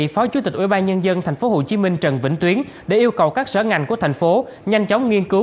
phó chủ tịch ủy ban nhân dân tp hcm trần vĩnh tuyến yêu cầu các sở ngành của thành phố nhanh chóng nghiên cứu